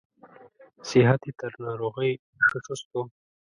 صحت یې تر ناروغۍ ښه چست و.